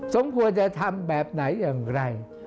สมควรจะทำแบบไหนอย่างไร